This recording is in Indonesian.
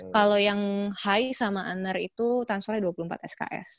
kalau yang high sama unner itu transfernya dua puluh empat sks